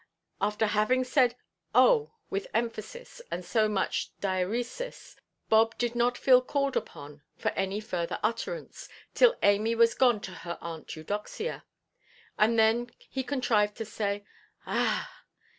After having said "oh," with emphasis and so much diæresis, Bob did not feel called upon for any further utterance till Amy was gone to her Aunt Eudoxia; and then he contrived to say, "Ah!"